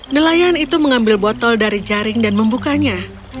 nelayan itu mengambil botol dari jaring dan membukanya